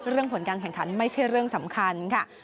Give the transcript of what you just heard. ผลการแข่งขันไม่ใช่เรื่องสำคัญค่ะ